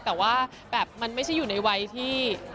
แต่ว่าแบบมันไม่ใช่อยู่ในวัยที่